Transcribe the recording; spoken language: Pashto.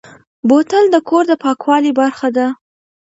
بوتل د کور د پاکوالي برخه ده.